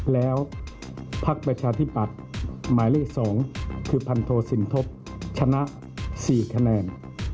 แล้วพักประชาธิปัตย์หมายเลข๒คือพันโทสินทบชนะ๔คะแนน